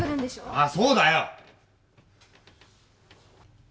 ああそうだよ！